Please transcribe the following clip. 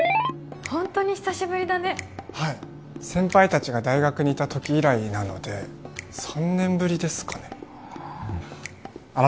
ホントに久しぶりだねはい先輩達が大学にいた時以来なので３年ぶりですかねああ